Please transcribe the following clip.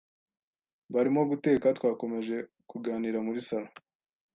Barimo guteka twakomeje kuganira muri salon